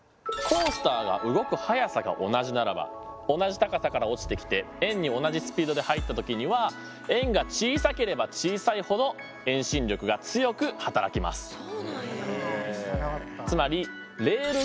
コースターが動く速さが同じならば同じ高さから落ちてきて円に同じスピードで入った時には円が小さければ小さいほど遠心力が強く働きます。